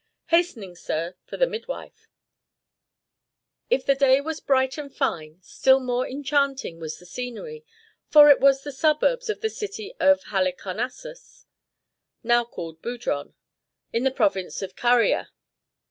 "Hastening, sir, for the midwife. If the day was bright and fine, still more enchanting was the scenery, for it was the suburbs of the city of Halicarnassus, now called Budron, in the province of Caria.